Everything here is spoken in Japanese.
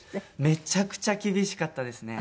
めちゃくちゃ厳しかったですね。